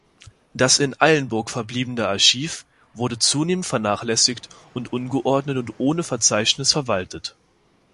Das in Eilenburg verbliebene Archiv wurde zunehmend vernachlässigt und ungeordnet und ohne Verzeichnis verwaltet.